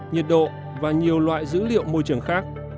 nhiệt độ và nhiều loại dữ liệu môi trường khác